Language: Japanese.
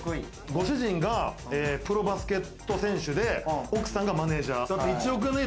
ご主人がプロバスケット選手で、奥さんがマネジャー？